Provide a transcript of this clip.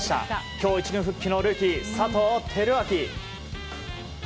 今日１軍復帰のルーキー佐藤輝明。